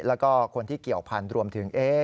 และก็คนที่เกี่ยวพันธ์รวมถึงเอ๊ะ